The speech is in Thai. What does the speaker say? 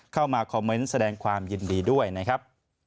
เข้ามาคอมเมนต์แสดงความยินดีด้วยนะครับ